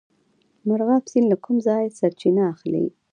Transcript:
مرغاب سیند له کوم ځای سرچینه اخلي؟